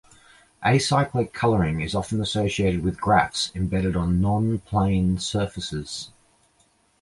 Acyclic coloring is often associated with graphs embedded on non-plane surfaces.